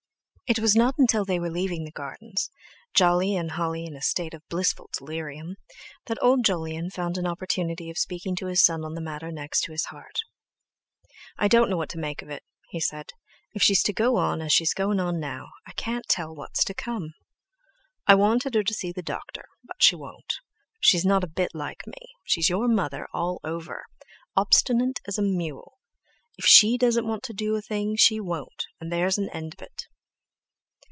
It was not until they were leaving the gardens—Jolly and Holly in a state of blissful delirium—that old Jolyon found an opportunity of speaking to his son on the matter next his heart. "I don't know what to make of it," he said; "if she's to go on as she's going on now, I can't tell what's to come. I wanted her to see the doctor, but she won't. She's not a bit like me. She's your mother all over. Obstinate as a mule! If she doesn't want to do a thing, she won't, and there's an end of it!"